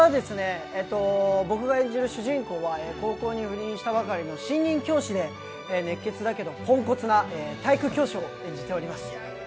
僕が演じる主人公は高校に赴任したばかりの新任教師で、熱血だけどポンコツな体育教師を演じております。